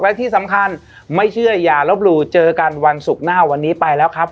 และที่สำคัญไม่เชื่ออย่าลบหลู่เจอกันวันศุกร์หน้าวันนี้ไปแล้วครับ